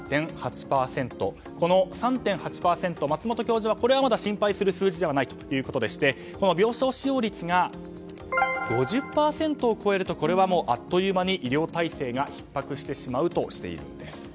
この３．８％、松本教授はこれはまだ心配する数字ではないということでして病床使用率が５０％を超えるとこれはもう、あっという間に医療体制がひっ迫してしまうとしているんです。